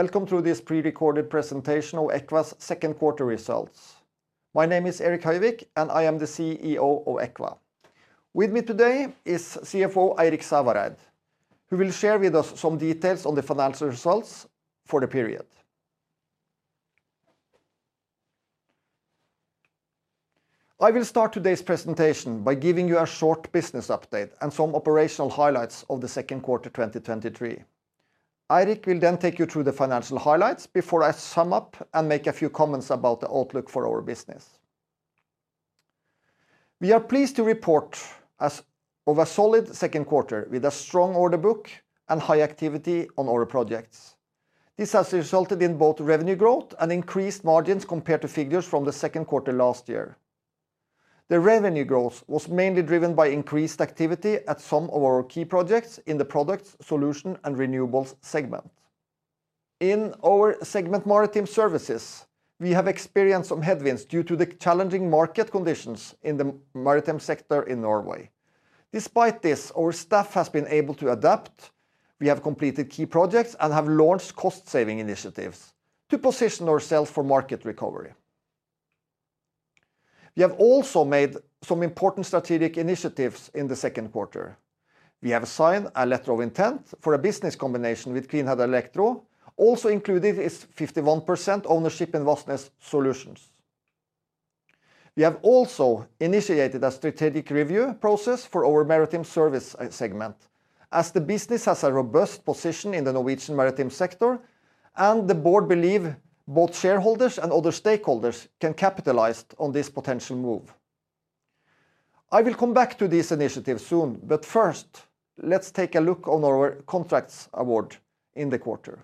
Welcome to this prerecorded presentation of EQVA's second quarter results. My name is Erik Høyvik, and I am the CEO of EQVA. With me today is CFO Eirik Sævareid, who will share with us some details on the financial results for the period. I will start today's presentation by giving you a short business update and some operational highlights of the second quarter 2023. Eirik will then take you through the financial highlights before I sum up and make a few comments about the outlook for our business. We are pleased to report as of a solid second quarter with a strong order book and high activity on our projects. This has resulted in both revenue growth and increased margins compared to figures from the second quarter last year. The revenue growth was mainly driven by increased activity at some of our key projects in the Products, Solutions and Renewables segment. In our Maritime Services segment, we have experienced some headwinds due to the challenging market conditions in the maritime sector in Norway. Despite this, our staff has been able to adapt. We have completed key projects and have launched cost-saving initiatives to position ourselves for market recovery. We have also made some important strategic initiatives in the second quarter. We have signed a letter of intent for a business combination with Kvinnherad Elektro. Also included is 51% ownership in Vassnes Solutions. We have also initiated a strategic review process for our Maritime Services segment as the business has a robust position in the Norwegian maritime sector, and the board believe both shareholders and other stakeholders can capitalize on this potential move. I will come back to this initiative soon, but first, let's take a look on our contracts award in the quarter.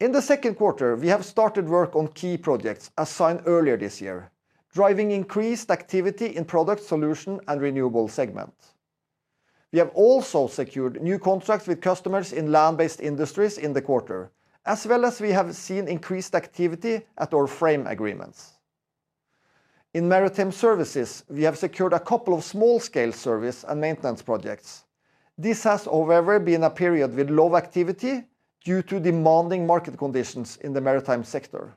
In the second quarter, we have started work on key projects assigned earlier this year, driving increased activity in Products, Solutions and Renewables segment. We have also secured new contracts with customers in land-based industries in the quarter, as well as we have seen increased activity at our frame agreements. In maritime services, we have secured a couple of small-scale service and maintenance projects. This has, however, been a period with low activity due to demanding market conditions in the maritime sector.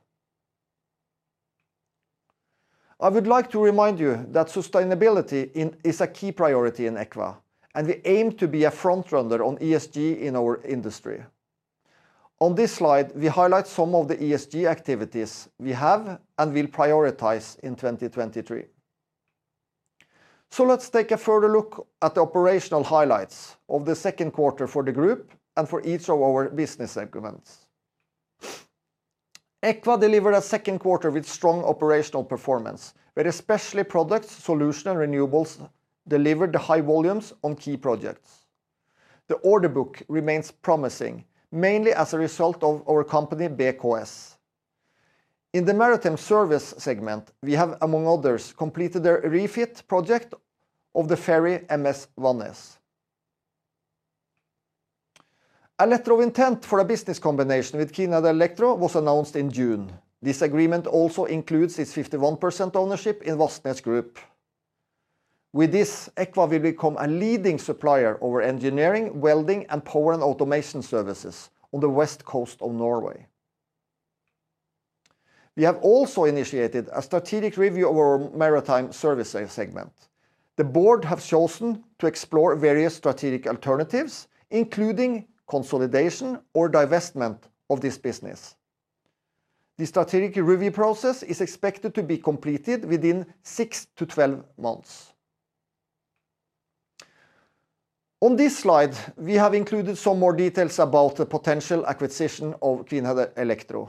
I would like to remind you that sustainability is a key priority in EQVA, and we aim to be a front runner on ESG in our industry. On this slide, we highlight some of the ESG activities we have and will prioritize in 2023. So let's take a further look at the operational highlights of the second quarter for the group and for each of our business segments. EQVA delivered a second quarter with strong operational performance, where especially Products, Solutions and Renewables delivered the high volumes on key projects. The order book remains promising, mainly as a result of our company, BKS. In the maritime service segment, we have, among others, completed a refit project of the ferry MS Vangsnes. A letter of intent for a business combination with Kvinnherad Elektro was announced in June. This agreement also includes its 51% ownership in Vassnes Group. With this, EQVA will become a leading supplier over engineering, welding, and power and automation services on the west coast of Norway. We have also initiated a strategic review of our maritime service segment. The board have chosen to explore various strategic alternatives, including consolidation or divestment of this business. The strategic review process is expected to be completed within 6-12 months. On this slide, we have included some more details about the potential acquisition of Kvinnherad Elektro.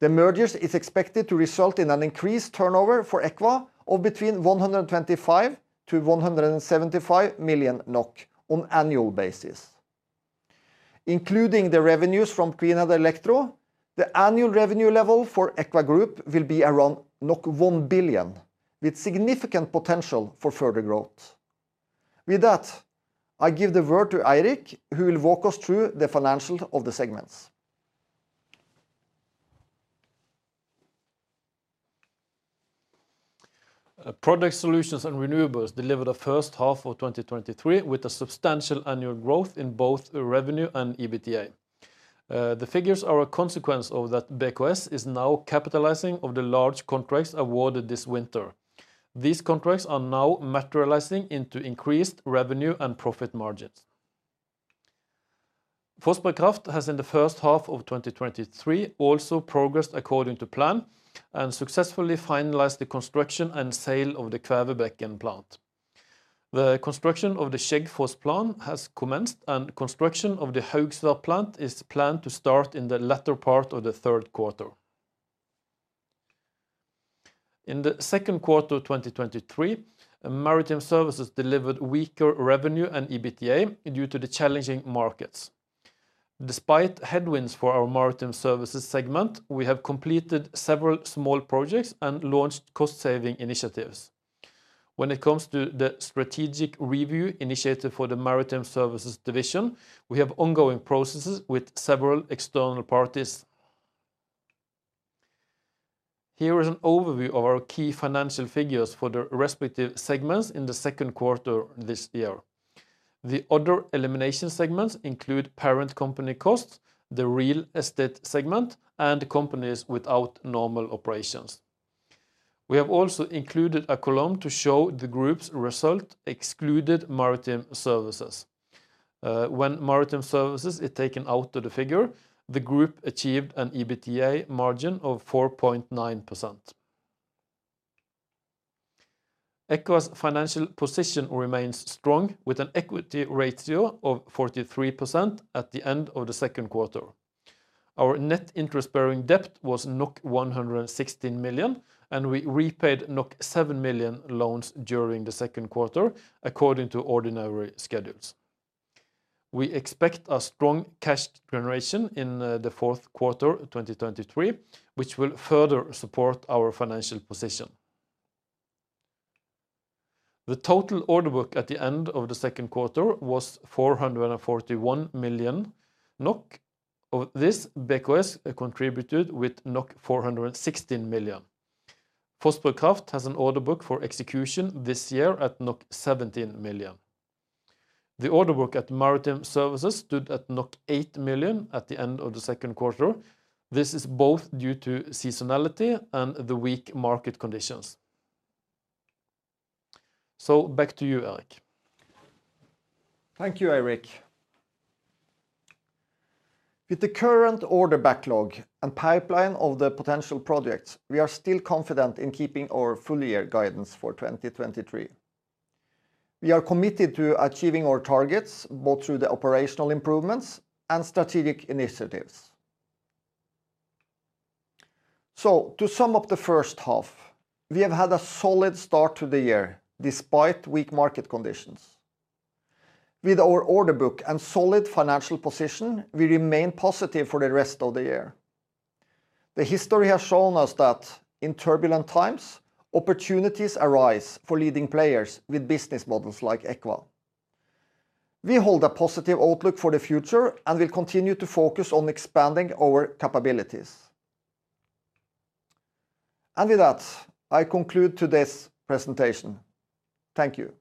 The merger is expected to result in an increased turnover for EQVA of between 125 million-175 million NOK on an annual basis. Including the revenues from Kvinnherad Elektro, the annual revenue level for EQVA Group will be around 1 billion, with significant potential for further growth. With that, I give the word to Eirik, who will walk us through the financials of the segments. Products, Solutions & Renewables delivered the first half of 2023 with a substantial annual growth in both revenue and EBITDA. The figures are a consequence of that BKS is now capitalizing on the large contracts awarded this winter. These contracts are now materializing into increased revenue and profit margins. Fossberg Kraft has, in the first half of 2023, also progressed according to plan and successfully finalized the construction and sale of the Kvevebekken plant. The construction of the Skjeggfoss plant has commenced, and construction of the Haugsvær plant is planned to start in the latter part of the third quarter. In the second quarter of 2023, Maritime Services delivered weaker revenue and EBITDA due to the challenging markets. Despite headwinds for our Maritime Services segment, we have completed several small projects and launched cost-saving initiatives. When it comes to the strategic review initiative for the Maritime Services division, we have ongoing processes with several external parties... Here is an overview of our key financial figures for the respective segments in the second quarter this year. The other elimination segments include parent company costs, the real estate segment, and companies without normal operations. We have also included a column to show the group's result, excluded maritime services. When maritime services is taken out of the figure, the group achieved an EBITDA margin of 4.9%. EQVA's financial position remains strong, with an equity ratio of 43% at the end of the second quarter. Our net interest-bearing debt was 116 million, and we repaid 7 million loans during the second quarter, according to ordinary schedules. We expect a strong cash generation in the fourth quarter 2023, which will further support our financial position. The total order book at the end of the second quarter was 441 million NOK. Of this, BKS contributed with 416 million. Fossberg Kraft has an order book for execution this year at 17 million. The order book at Maritime Services stood at 8 million at the end of the second quarter. This is both due to seasonality and the weak market conditions. So back to you, Erik. Thank you, Eirik. With the current order backlog and pipeline of the potential projects, we are still confident in keeping our full year guidance for 2023. We are committed to achieving our targets, both through the operational improvements and strategic initiatives. To sum up the first half, we have had a solid start to the year, despite weak market conditions. With our order book and solid financial position, we remain positive for the rest of the year. The history has shown us that in turbulent times, opportunities arise for leading players with business models like EQVA. We hold a positive outlook for the future and will continue to focus on expanding our capabilities. With that, I conclude today's presentation. Thank you!